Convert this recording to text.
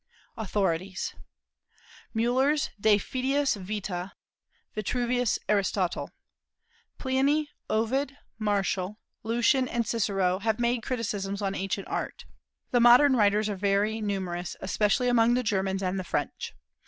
AUTHORITIES. Müller's De Phidias Vita, Vitruvius, Aristotle. Pliny, Ovid, Martial, Lucian, and Cicero have made criticisms on ancient Art. The modern writers are very numerous, especially among the Germans and the French.